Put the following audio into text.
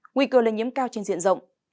nguy cơ lên nhiễm cao trên diện rộng